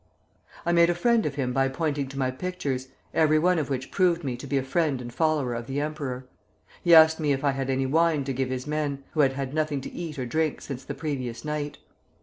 I made a friend of him by pointing to my pictures, everyone of which proved me to be a friend and follower of the emperor. He asked me if I had any wine to give his men, who had had nothing to eat or drink since the previous night.